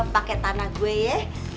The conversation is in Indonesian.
paket tanah gue ya